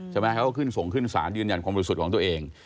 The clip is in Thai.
ใช่ไหมเขาก็ขึ้นส่งขึ้นสารยืนยันความรู้สึกของตัวเอง